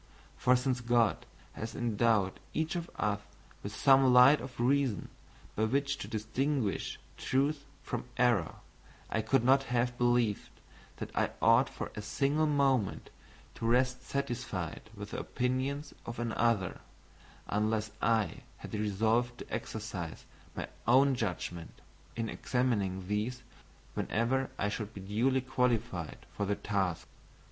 For since God has endowed each of us with some light of reason by which to distinguish truth from error, I could not have believed that I ought for a single moment to rest satisfied with the opinions of another, unless I had resolved to exercise my own judgment in examining these whenever I should be duly qualified for the task.